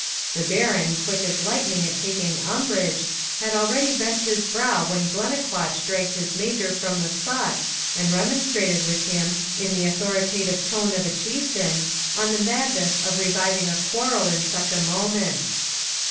The Baron, quick as lightning at taking umbrage, had already bent his brow when Glennaquoich dragged his major from the spot, and remonstrated with him, in the authoritative tone of a chieftain, on the madness of reviving a quarrel in such a moment.